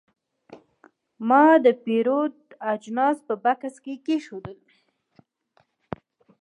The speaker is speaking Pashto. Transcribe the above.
ما د پیرود اجناس په بکس کې کېښودل.